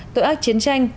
tội ác chiến tranh